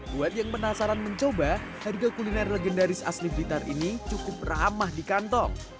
buat yang penasaran mencoba harga kuliner legendaris asli blitar ini cukup ramah di kantong